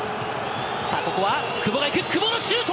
ここは、久保がいく、久保のシュート！